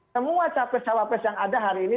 semua capres cak wapres yang ada hari ini